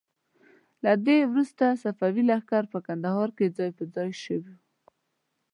له دې وروسته صفوي لښکر په کندهار کې ځای په ځای شو.